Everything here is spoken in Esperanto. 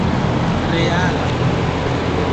reala